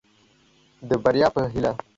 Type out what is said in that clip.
د بريا په هيله.